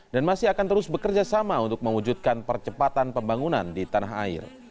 dan masih akan terus bekerjasama untuk mewujudkan percepatan pembangunan di tanah air